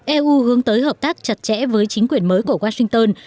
eu hướng tới hợp tác chặt chẽ với chính quyền mới của washington